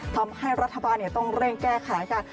ทำให้รัฐบาลเนี่ยต้องเร่งแก้ขายค่ะ